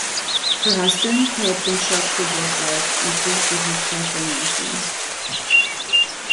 Her husband, who had been shot through both legs, improved with her careful nursing.